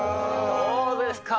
どうですか。